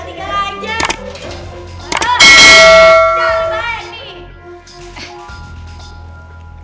jangan lupain nih